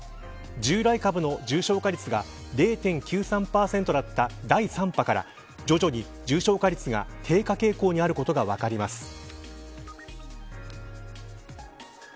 従来株の重症化率が０．９３％だった第３波から徐々に重症化率が低下傾向にあることが分かります。